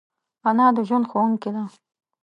انا د ژوند ښوونکی ده